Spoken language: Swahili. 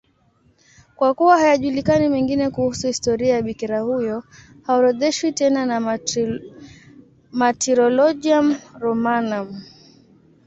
Kwa kuwa hayajulikani mengine kuhusu historia ya bikira huyo, haorodheshwi tena na Martyrologium Romanum.